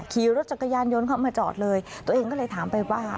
ขี่รถจักรยานยนต์เข้ามาจอดเลยตัวเองก็เลยถามไปว่า